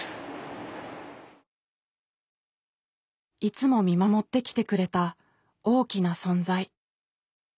いつも見守ってきてくれた大きな存在。